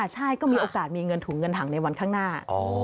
ใช่ก็มีโอกาสมีเงินถุงเงินถังในวันข้างหน้า